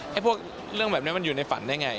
พวกเรื่องแบบนี้มันอยู่ในฝันได้ไง